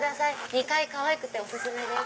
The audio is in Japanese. ２階かわいくてお薦めです。